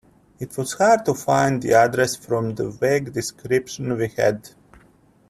It was hard to find the address from the vague description we had.